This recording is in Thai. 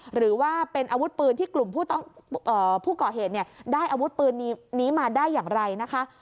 หรือว่าเป็นอาวุธปืนที่กลุ่มผู้ก่อเหตุได้อาวุธปืนนี้มาได้อย่างไรนะคะ